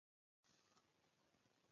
دلته د بې عدالتۍ په اړه بحث کوو.